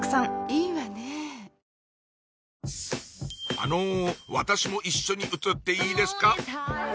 あの私も一緒に写っていいですか？